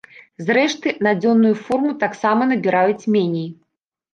Зрэшты, на дзённую форму таксама набіраюць меней.